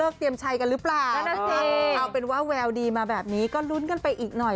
โอ้วน่ารุ้นนะคะทำเป็นเล่นไปนะ